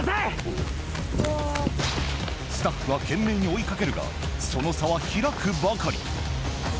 スタッフは懸命に追いかけるがその差は開くばかり。